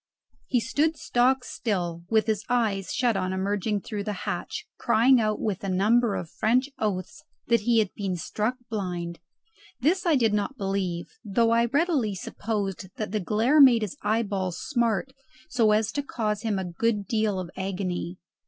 He stood stock still with his eyes shut on emerging through the hatch, crying out with a number of French oaths that he had been struck blind. This I did not believe, though I readily supposed that the glare made his eyeballs smart so as to cause him a good deal of agony.